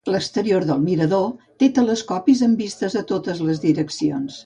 L'exterior del mirador té telescopis amb vistes a totes les direccions.